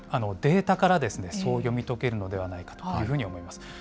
データからそう読み解けるのではないかというふうに思います。